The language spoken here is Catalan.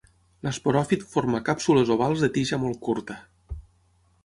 L'esporòfit forma càpsules ovals de tija molt curta.